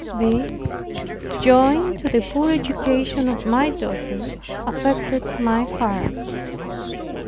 This, joined to the poor education of my daughter, affected my heart.